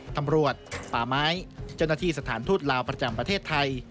ตำรวจป่าไม้เจ้าหน้าที่สถานทูตลาวประจำประเทศไทย